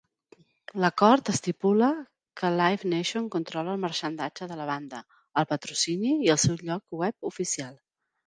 L'acord estipula que Live Nation controla el marxandatge de la banda, el patrocini i el seu lloc web oficial.